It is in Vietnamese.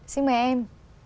xin mời em